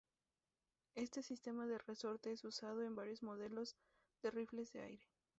Este sistema de resorte es usado en varios modelos de rifles de aire.